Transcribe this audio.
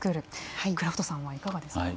クラフトさんはいかがですか？